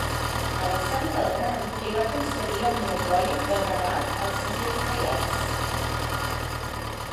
Alexandre el Gran li va concedir el monopoli de gravar els segells reials.